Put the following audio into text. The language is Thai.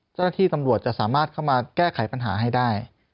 เจ้าหน้าที่ตำรวจจะสามารถเข้ามาแก้ไขปัญหาให้ได้